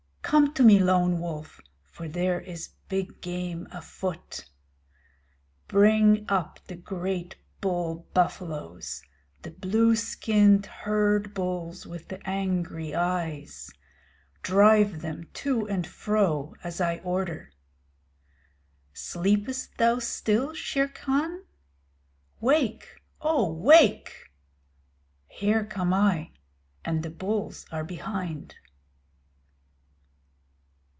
Come to me, Lone Wolf, for there is big game afoot! Bring up the great bull buffaloes, the blue skinned herd bulls with the angry eyes. Drive them to and fro as I order. Sleepest thou still, Shere Khan? Wake, O wake! Here come I, and the bulls are behind.